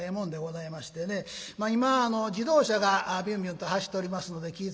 まあ今は自動車がビュンビュンと走っておりますので気ぃ